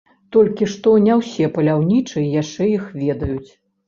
Толькі што, не ўсе паляўнічыя яшчэ іх ведаюць.